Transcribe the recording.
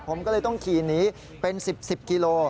ผมก็เลยต้องขี่หนีเป็น๑๐๑๐กิโล